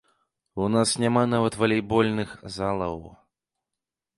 У нас няма нават валейбольных залаў.